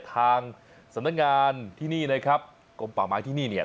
ทางสำนักงานที่นี่นะครับกลมป่าไม้ที่นี่เนี่ย